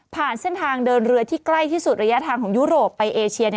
เส้นทางเดินเรือที่ใกล้ที่สุดระยะทางของยุโรปไปเอเชีย